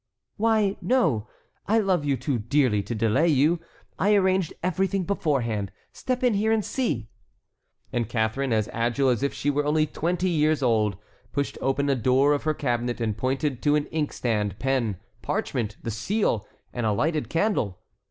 "Why, no, I love you too dearly to delay you. I arranged everything beforehand; step in here and see!" And Catharine, as agile as if she were only twenty years old, pushed open a door of her cabinet, and pointed to an ink stand, pen, parchment, the seal, and a lighted candle.